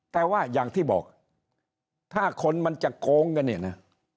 แต่ว่าอย่างที่บอกถ้าคนมันจะโกงกันเนี่ยนะ